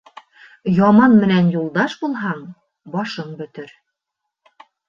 Яман менән юлдаш булһаң башың бөтөр.